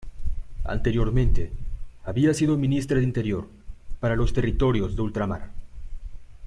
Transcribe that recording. Anteriormente había sido ministra de Interior para los Territorios de Ultramar.